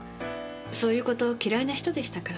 そういうこと嫌いな人でしたから。